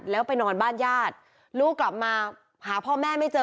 แล้วไปนอนบ้านญาติลูกกลับมาหาพ่อแม่ไม่เจอ